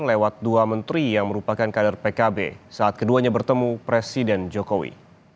lewat dua menteri yang merupakan kader pkb saat keduanya bertemu presiden jokowi